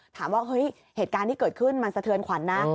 ถามว่าเฮ้ยเหตุการณ์ที่เกิดขึ้นมันสะเทือนขวัญนะ